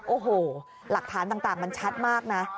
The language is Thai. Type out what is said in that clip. โอ้โหหลักฐานต่างมันชัดมากนะ